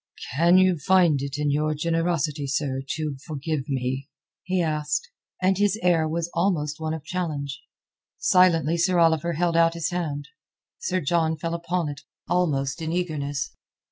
"Can you find it in your generosity, sir, to forgive me?" he asked, and his air was almost one of challenge. Silently Sir Oliver held out his hand. Sir John fell upon it almost in eagerness.